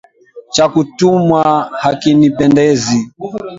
Cha kutumwa hakinipendezi.